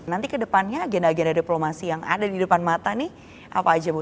nanti kedepannya agenda agenda diplomasi yang ada di depan mata nih apa aja bu